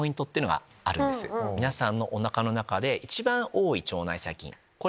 皆さんのおなかの中で。